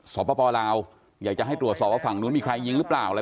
สปลาวอยากจะให้ตรวจสอบว่าฝั่งนู้นมีใครยิงหรือเปล่าอะไร